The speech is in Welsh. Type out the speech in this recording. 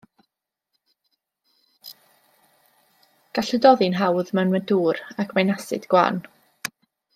Gall hydoddi'n hawdd mewn dŵr ac mae'n asid gwan.